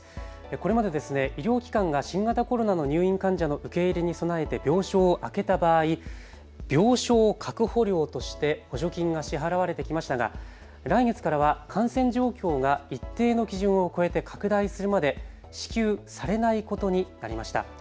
これまで医療機関が新型コロナの入院患者の受け入れに備えて病床を空けた場合、病床確保料として補助金が支払われてきましたが来月からは感染状況が一定の基準を超えて拡大するまで支給されないことになりました。